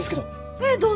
ええどうぞ。